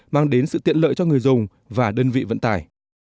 mang đến sự tiện lợi cho người dùng và đơn vị vận tải